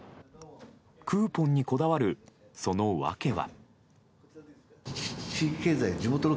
クーポンにこだわるその訳は。